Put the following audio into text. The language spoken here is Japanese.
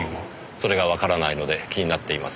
それがわからないので気になっています。